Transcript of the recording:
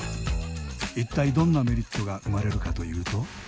一体どんなメリットが生まれるかというと。